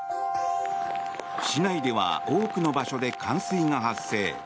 市内では多くの場所で冠水が発生。